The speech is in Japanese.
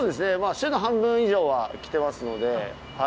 週の半分以上は来てますので。